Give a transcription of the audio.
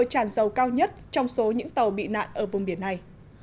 tràn dầu cao nhất trong số những tàu bị nạn ở vùng biển này